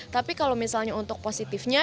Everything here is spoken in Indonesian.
tapi kalau misalnya untuk positifnya